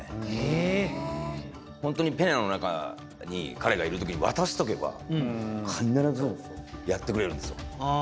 ホントにペナの中に彼がいる時に渡しとけば必ずやってくれるんですよ。